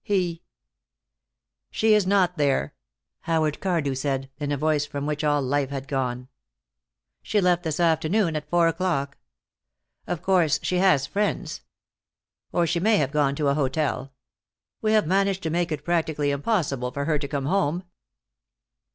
He "She is not there," Howard Cardew said, in a voice from which all life had gone. "She left this afternoon, at four o'clock. Of course she has friends. Or she may have gone to a hotel. We had managed to make it practically impossible for her to come home."